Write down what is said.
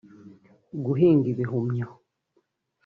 guhinga ibihumyo